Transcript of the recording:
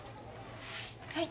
はい？